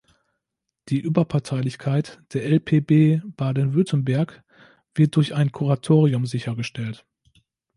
Die Überparteilichkeit der LpB Baden-Württemberg wird durch ein Kuratorium sichergestellt.